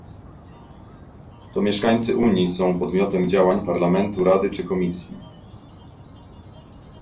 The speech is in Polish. To mieszkańcy Unii są podmiotem działań Parlamentu, Rady czy Komisji